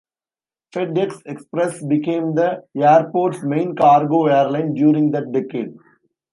FedEx Express became the airport's main cargo airline during that decade.